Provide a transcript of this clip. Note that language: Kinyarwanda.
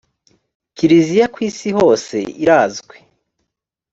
kiliziya kwisihose irazwi.